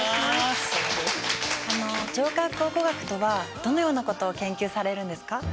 あの城郭考古学とはどのようなことを研究されるんですか？